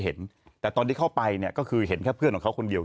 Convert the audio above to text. เห็นแต่ตอนที่เข้าไปเนี่ยก็คือเห็นแค่เพื่อนของเขาคนเดียว